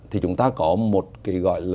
thì chúng ta có một cái gọi là